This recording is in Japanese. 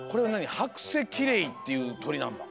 ハクセキレイっていうとりなんだ。